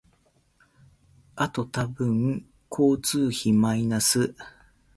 あと多分交通費マイナス